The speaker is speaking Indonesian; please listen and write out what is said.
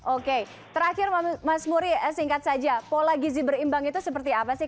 oke terakhir mas muri singkat saja pola gizi berimbang itu seperti apa sih